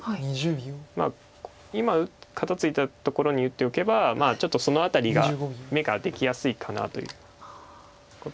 まあ今肩ツイたところに打っておけばちょっとその辺りが眼ができやすいかなということで。